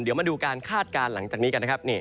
เดี๋ยวมาดูการคาดการณ์หลังจากนี้กันนะครับ